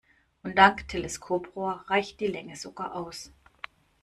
Und dank Teleskoprohr reicht die Länge sogar aus.